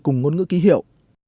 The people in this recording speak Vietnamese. cùng ngôn ngữ ký hiệu